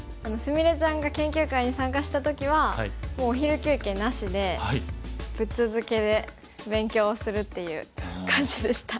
菫ちゃんが研究会に参加した時はもうお昼休憩なしでぶっ続けで勉強するっていう感じでした。